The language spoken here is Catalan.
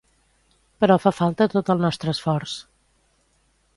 Però fa falta tot el nostre esforç.